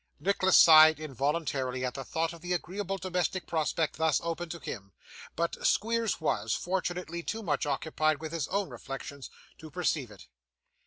Nicholas sighed involuntarily at the thought of the agreeable domestic prospect thus opened to him; but Squeers was, fortunately, too much occupied with his own reflections to perceive it.